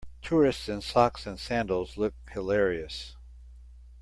Tourists in socks and sandals look hilarious.